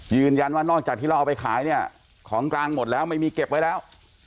นอกจากที่เราเอาไปขายเนี่ยของกลางหมดแล้วไม่มีเก็บไว้แล้ว